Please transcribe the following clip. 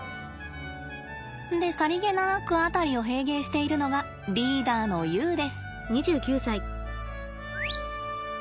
でさりげなく辺りをへいげいしているのがリーダーのユウです。